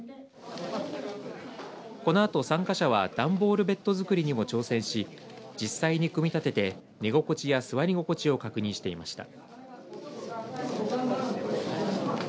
このあと参加者は段ボールベッド作りにも挑戦し実際に組み立てて寝心地や座り心地を確認していました。